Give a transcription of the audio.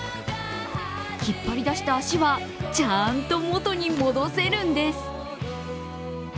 引っ張りだした足はちゃんと元に戻せるんです。